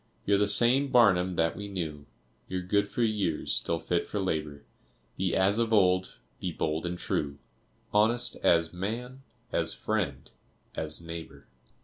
You're the same Barnum that we knew, You're good for years, still fit for labor, Be as of old, be bold and true, Honest as man, as friend, as neighbor.